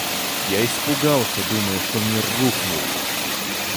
Я испугался, думая, что мир рухнул.